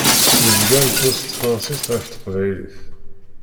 Nezga nettru s tefransist ɣef teqbaylit.